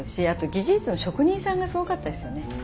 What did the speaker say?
あと技術の職人さんがすごかったですよね